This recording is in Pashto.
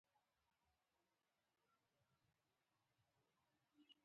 • ژوند هره ورځ یو نوی سبق لري، زده کړه یې.